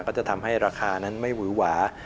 ก็จะทำให้ราคานั้นไม่หวือหวา